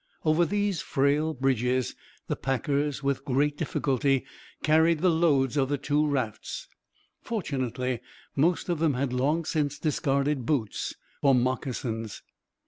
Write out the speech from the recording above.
Over these frail bridges the packers, with great difficulty, carried the loads of the two rafts. Fortunately most of them had long since discarded boots for moccasins.